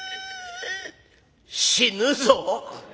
「死ぬぞ？」。